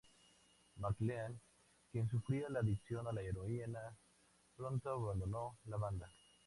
MacLean, quien sufría la adicción a la heroína, pronto abandonó la banda.